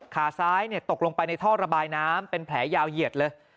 ขาซ้ายตกลงไปในท่อระบายน้ำเป็นแผลยาวเหยียดเลย